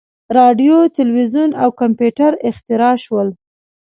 • راډیو، تلویزیون او کمپیوټر اختراع شول.